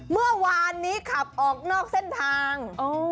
เมื่อวานนี้ขับออกนอกเส้นทาง